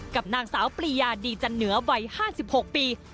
กับนางสาวปลียาดีจันเหนือวัย๕๖ปี